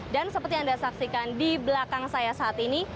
dan seperti yang anda saksikan di belakang saya saat ini